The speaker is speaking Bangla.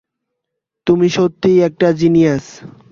তুই সত্যিই একটা জিনিয়াস।